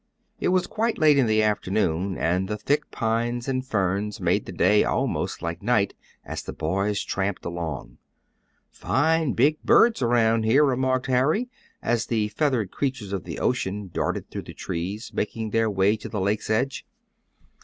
It was quite late in the afternoon, and the thick pines and ferns made the day almost like night, as the boys tramped along. "Fine big birds around here," remarked Harry, as the feathered creatures of the ocean darted through the trees, making their way to the lake's edge.